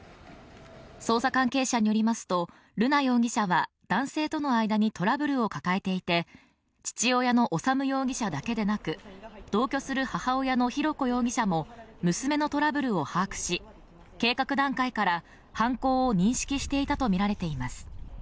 捜査関係者によりますと瑠奈容疑者は男性との間にトラブルを抱えていて父親の修容疑者だけでなく同居する母親の浩子容疑者も娘のトラブルを把握し計画段階から犯行を認識していたとみられています